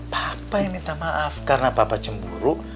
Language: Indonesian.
papa yang minta maaf karena papa cemburu